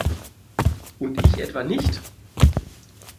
Und ich etwa nicht?